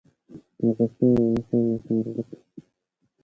پاکستاں مہ اسیں مثال گی تُھو؟